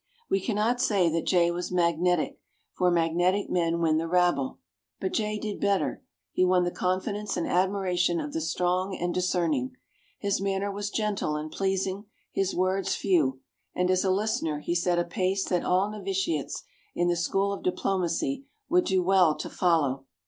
We can not say that Jay was "magnetic," for magnetic men win the rabble; but Jay did better: he won the confidence and admiration of the strong and discerning. His manner was gentle and pleasing; his words few, and as a listener he set a pace that all novitiates in the school of diplomacy would do well to follow.